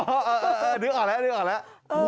นึกออกแล้วนึกออกแล้ว